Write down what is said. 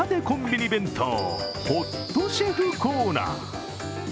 コンビニ弁当ホットシェフコーナー。